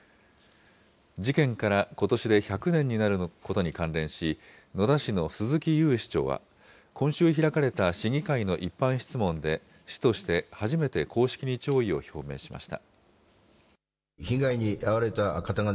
事件からことしで１００年になることに関連し、野田市の鈴木有市長は、今週開かれた市議会の一般質問で、市として初めて公式に弔意を表明しました。